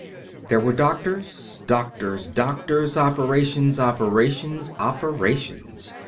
There were doctors, doctors, doctors; operations, operations, operations.